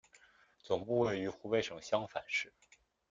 总部位于湖北省襄樊市。